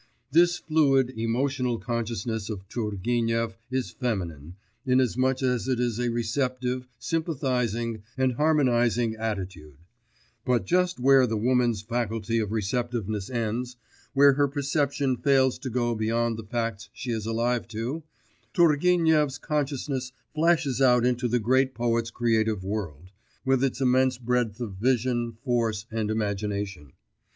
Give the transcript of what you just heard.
This fluid emotional consciousness of Turgenev is feminine, inasmuch as it is a receptive, sympathising, and harmonising attitude; but just where the woman's faculty of receptiveness ends, where her perception fails to go beyond the facts she is alive to, Turgenev's consciousness flashes out into the great poet's creative world, with its immense breadth of vision, force, and imagination.